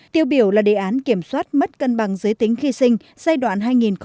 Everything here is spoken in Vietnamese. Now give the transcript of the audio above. tiêu biểu là đề án kiểm soát mất cân bằng giới tính khi sinh giai đoạn hai nghìn một mươi sáu hai nghìn hai mươi